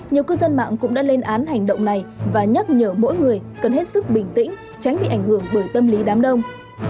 nhiều cư dân mạng cũng đã lên án hành động này và nhắc nhở mỗi người cần hết sức bình tĩnh tránh bị ảnh hưởng bởi tâm lý đám đông